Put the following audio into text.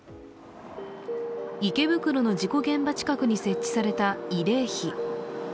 池袋の事故現場近くに設置された慰霊碑。